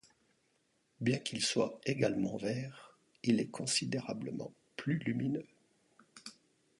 Bien qu'il soit également vert, il est considérablement plus lumineux.